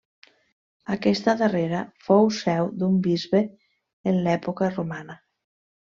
Aquesta darrera fou seu d'un bisbe en l'època romana.